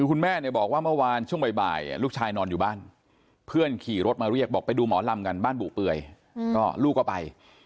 คุณแม่บอกว่าเมื่อวานช่วงบ่ายลูกชายนอนอยู่บ้านเพื่อนขี่รถมาเรียกไปดูหมอลำบ้านบวกก็ไป